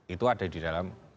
itu ada di dalam